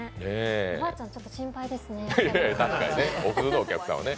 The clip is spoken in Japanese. おばあちゃん、ちょっと心配ですね。